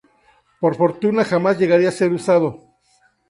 Por fortuna, jamás llegaría a ser usado.